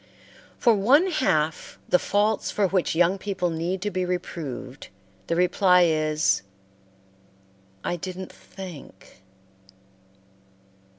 For one half the faults for which young people need to be reproved the reply is, "I didn't think."